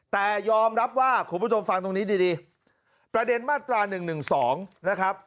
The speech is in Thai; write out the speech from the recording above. แต่ยอมรับว่าคุณผู้ชมฟังตรงนี้ดีประเด็นมาตรา๑๑๒นะครับ